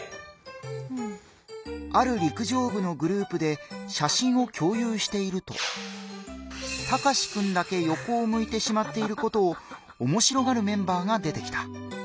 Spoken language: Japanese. ある陸上部のグループで写真を共有しているとタカシくんだけよこを向いてしまっていることをおもしろがるメンバーが出てきた。